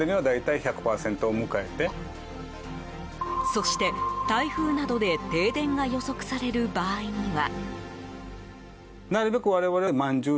そして、台風などで停電が予測される場合には。